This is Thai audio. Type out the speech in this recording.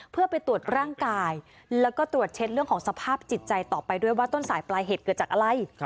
เพื่อไปตรวจร่างกายแล้วก็ตรวจเช็คเรื่องของสภาพจิตใจต่อไปด้วยว่าต้นสายปลายเหตุเกิดจากอะไร